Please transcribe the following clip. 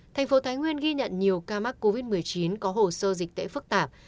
thành phố thái nguyên ghi nhận nhiều ca mắc covid một mươi chín có hồ sơ dịch tễ phức tạp